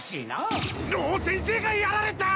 老先生がやられたー！